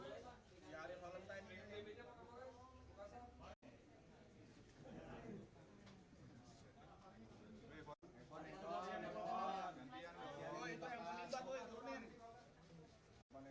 ya ada pacatur teped keiner